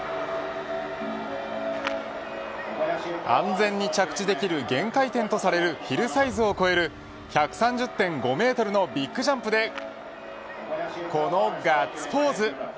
安全に着地できる限界点とされるヒルサイズを超える１３０．５メートルのビッグジャンプでこのガッツポーズ。